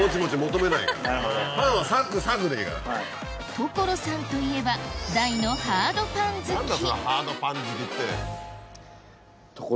所さんといえば何だそのハードパン好きって。